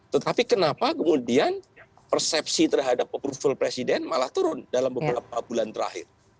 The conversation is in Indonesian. tetapi kenapa kemudian persepsi terhadap approval presiden malah turun dalam beberapa bulan terakhir